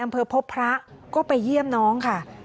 อำเภอพบพระก็ไปเยี่ยมน้องค่ะ